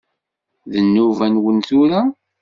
D nnuba-nwen tura?